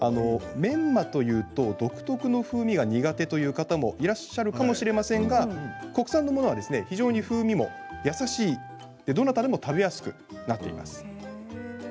メンマというと独特の風味が苦手という方もいらっしゃるかもしれませんが国産のものは非常に風味も優しいどなたでも食べやすくなっています。